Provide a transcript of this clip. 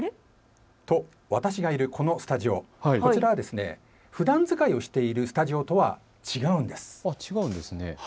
私がいるこのスタジオ、こちらはふだん使いをしているスタジオとは違うんです。